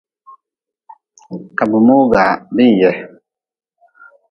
Ka bi mogaa bin ye.